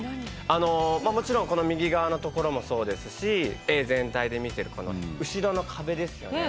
あのもちろんこの右側のところもそうですし絵全体で見てるこの後ろの壁ですよね。